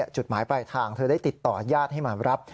จุดหมายปลายทางเธอได้ติดต่อญาติให้มารับ